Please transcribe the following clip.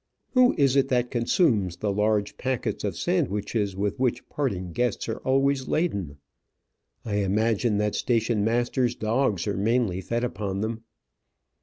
Who is it that consumes the large packets of sandwiches with which parting guests are always laden? I imagine that station masters' dogs are mainly fed upon them.